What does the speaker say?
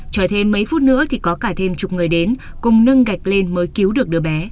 tròi thêm mấy phút nữa thì có cả thêm chục người đến cùng nâng gạch lên mới cứu được đứa bé